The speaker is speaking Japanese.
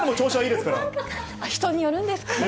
人によるんですかね。